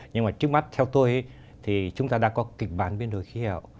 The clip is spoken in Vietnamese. nhưng mà trước mắt theo tôi thì chúng ta đã có kịch bản biến đổi khí hậu